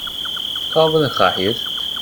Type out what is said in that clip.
Cá bhfuil an chathaoir